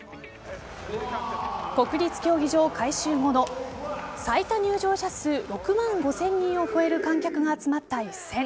国立競技場改修後の最多入場者数６万５０００人を超える観客が集まった一戦。